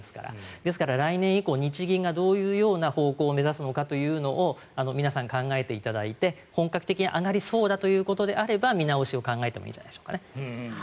ですか来年以降、日銀がどういうような方向を目指すのかというのを皆さん、考えていただいて本格的に上がりそうであれば見直しを考えてもいいんじゃないでしょうか。